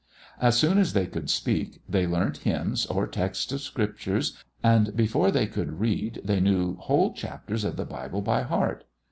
As soon as they could speak they learnt hymns or texts of Scripture, and before they could read they knew whole chapters of the Bible by heart.